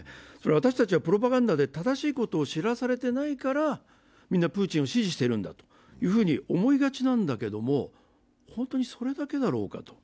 私たちはプロパガンダで正しいことを知らされていないからみんなプーチンを支持しているんだと思いがちなんだけれども、本当にそれだけだろうかと。